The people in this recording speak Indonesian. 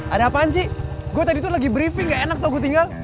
ada apaan cik gue tadi tuh lagi briefing gak enak tuh gue tinggal